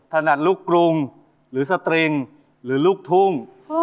ถนัดลูกกรุงหรือสตริงหรือลูกทุ่ง